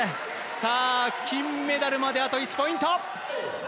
さぁ金メダルまであと１ポイント！